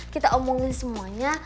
kita omongin semuanya